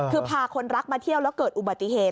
คือพาคนรักมาเที่ยวแล้วเกิดอุบัติเหตุ